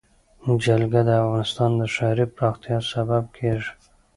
جلګه د افغانستان د ښاري پراختیا سبب کېږي.